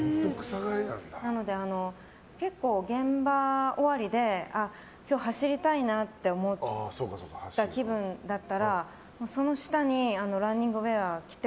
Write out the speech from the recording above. なので結構、現場終わりで今日走りたいなって思った気分だったらその下にランニングウェアを着て